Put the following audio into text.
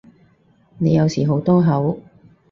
你有時好多口